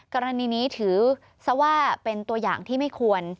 กรณีนี้ถือซะว่าเป็นตัวอย่างที่ไม่ควร